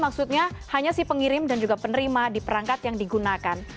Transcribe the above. maksudnya hanya si pengirim dan juga penerima di perangkat yang digunakan